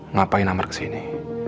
ngapain amar kesini